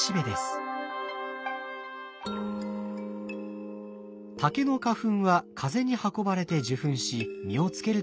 竹の花粉は風に運ばれて受粉し実をつけるといわれています。